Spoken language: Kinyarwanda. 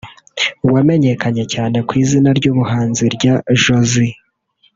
wamenyekanye cyane ku izina ry’ubuhanzi rya Jozy